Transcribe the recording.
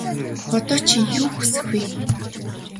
Одоо чи юу хүсэх вэ?